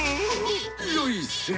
よいせ。